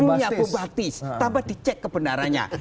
judulnya bombastis tanpa dicek kebenarannya